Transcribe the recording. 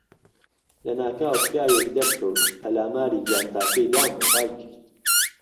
لەناکاو پیاوێک دەرکەوت، پەلاماری جانتاکەی دام و ڕایکرد.